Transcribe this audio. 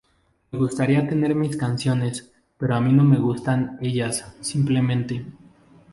Les gustaría tener mis canciones, pero a mi no me gustan ellas, simplemente".